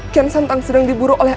kian santan sedang diburu oleh